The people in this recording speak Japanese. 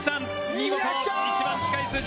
見事一番近い数字です